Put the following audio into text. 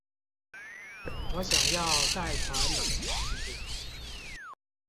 我想要貸款買房子